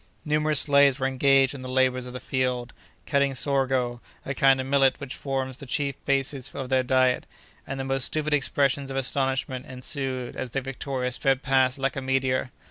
Numerous slaves were engaged in the labors of the field, cultivating sorgho, a kind of millet which forms the chief basis of their diet; and the most stupid expressions of astonishment ensued as the Victoria sped past like a meteor.